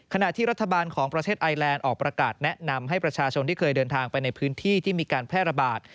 ขณะที่รัฐบาลของประเทศไอแลนด์ออกประกาศแนะนำให้ประชาชนที่เคยเดินทางไปในพื้นที่ที่มีการแพร่ระบาด